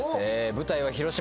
舞台は広島。